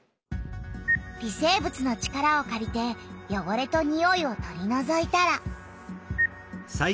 微生物の力をかりてよごれとにおいを取りのぞいたら。